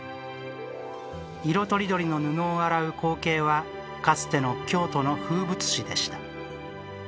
色とりどりの布を洗う光景はかつての京都の風物詩でした。